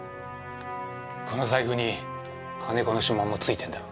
この財布に金子の指紋もついてんだろ。